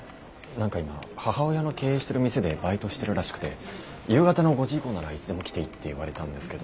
何か今母親の経営してる店でバイトしてるらしくて夕方の５時以降ならいつでも来ていいって言われたんですけど。